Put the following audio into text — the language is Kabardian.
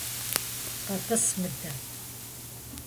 КъэтӀыс мыдэ!